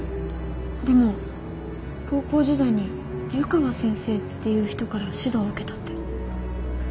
でも高校時代に湯川先生っていう人から指導を受けたって